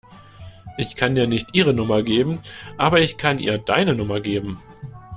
Ich kann dir nicht ihre Nummer geben, aber ich kann ihr deine Nummer geben.